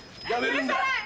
許さない。